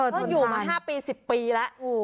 ฉันอยู่มา๕ปี๑๐ปีแล้ว